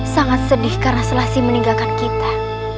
sangat sedih karena selasi meninggalkan kita